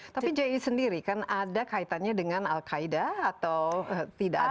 tapi ji sendiri kan ada kaitannya dengan al qaeda atau tidak ada